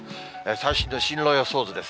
最新の進路予想図です。